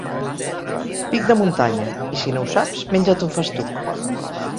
Pic de muntanya, i si no ho saps, menja't un festuc.